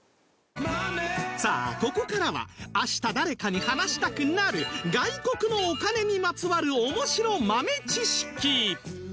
さあここからは明日誰かに話したくなる外国のお金にまつわる面白豆知識